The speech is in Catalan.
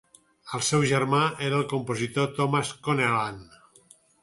El seu germà era el compositor Thomas Connellan.